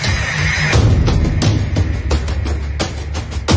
แล้วก็พอเล่ากับเขาก็คอยจับอย่างนี้ครับ